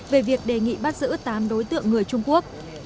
về việc đề nghị bắt giữ tám đối tượng người trung quốc